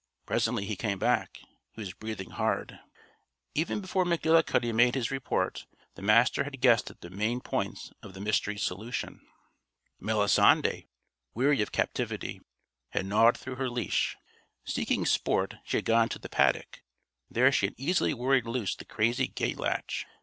Presently he came back. He was breathing hard. Even before McGillicuddy made his report the Master had guessed at the main points of the mystery's solution. Melisande, weary of captivity, had gnawed through her leash. Seeking sport, she had gone to the paddock. There she had easily worried loose the crazy gate latch.